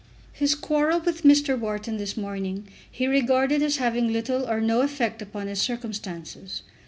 His quarrel with Mr. Wharton this morning he regarded as having little or no effect upon his circumstances.